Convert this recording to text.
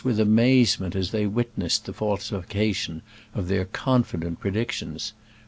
with amazement as they witnessed the falsification of their confident predic tions.